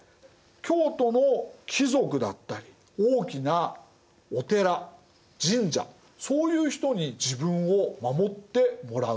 京都の貴族だったり大きなお寺神社そういう人に自分を守ってもらう。